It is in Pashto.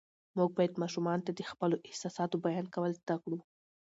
موږ باید ماشومانو ته د خپلو احساساتو بیان کول زده کړو